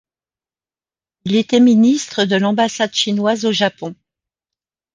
Il était ministre de l'ambassade chinoise au Japon.